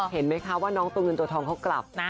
เห็นไหมคะว่าน้องตัวเงินตัวทองเขากลับนะ